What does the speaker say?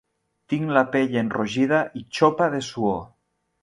Tinc la pell enrogida i xopa de suor.